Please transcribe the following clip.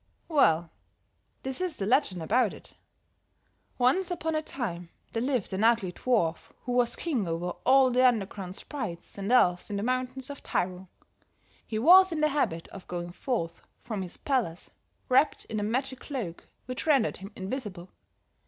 "Well, this is the legend about it. Once upon a time, there lived an ugly dwarf who was king over all the underground sprites and elves in the mountains of Tyrol. He was in the habit of going forth from his palace, wrapped in a magic cloak which rendered him invisible.